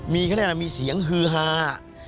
มีเสียงฮือหา